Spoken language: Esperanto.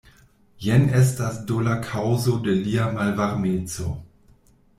Jen estas do la kaŭzo de lia malvarmeco.